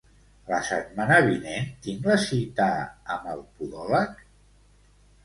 La setmana vinent tinc la cita amb el podòleg?